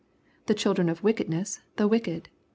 the " children of wickedness " the wicked.